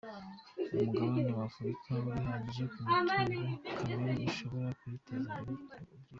Umugabane w’Africa urihagije ku mutungo kamere ushobora kuyiteza imbere uko ibyifuza.